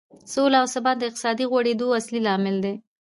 سوله او ثبات د اقتصادي غوړېدو اصلي لاملونه دي.